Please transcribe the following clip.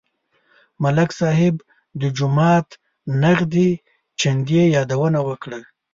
ملک صاحب د جومات نغدې چندې یادونه وکړه.